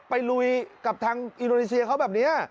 ลุยกับทางอินโดนีเซียเขาแบบนี้